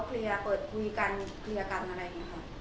เคลียร์เปิดคุยกันเคลียร์กันอะไรอย่างนี้ค่ะ